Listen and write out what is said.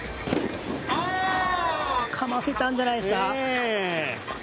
かませたんじゃないですか。